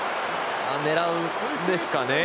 狙うんですかね。